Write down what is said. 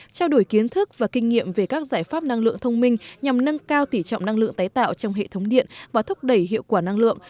trao đổi kiến thức và kinh nghiệm về các giải pháp năng lượng thông minh nhằm nâng cao tỉ trọng năng lượng tái tạo trong hệ thống điện và thúc đẩy hiệu quả năng lượng